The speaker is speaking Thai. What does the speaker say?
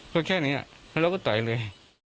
ก็แค่นี้แล้วเราก็ต่อยเลย